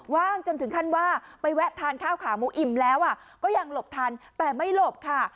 ว่างจนถึงขั้นว่าไปแวะทานข้าวขาหมูอิ่มแล้วก็ยังหลบทันแต่ไม่หลบค่ะ